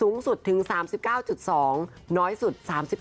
น้อยสุดถึง๓๙๒น้อยสุด๓๘๖